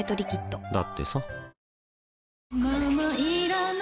だってさ